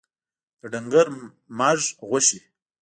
د ډنګر مږ غوښي